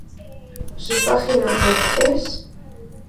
Su página web es